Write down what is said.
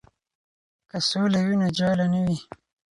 که سوله وي نو جاله نه وي.